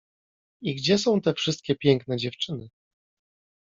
i gdzie są te wszystkie piękne dziewczyny?